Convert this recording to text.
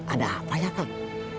ada apa ya kang